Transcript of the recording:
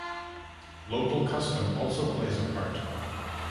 Local custom also plays a part.